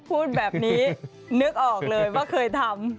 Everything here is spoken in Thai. พูดแบบนี้นึกออกเลยว่าเคยทำ